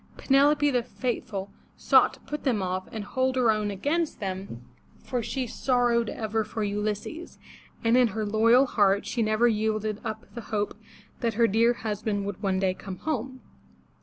Penelope the faithful, sought to put them off and hold her own against them, for she sorrowed ever for Ulysses, and in her loyal heart she never yielded up the hope that her dear husband would one day come home.